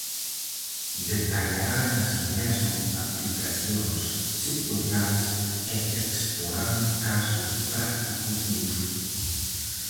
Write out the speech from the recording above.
Detallarán así mesmo aplicacións sectoriais e exporán casos prácticos de uso.